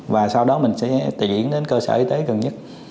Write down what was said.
và sau đó mình sẽ chuyển đến cơ sở y tế gần nhất